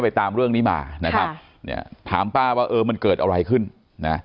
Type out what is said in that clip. ไปตามเรื่องนี้มานะครับถามป้าว่ามันเกิดอะไรขึ้น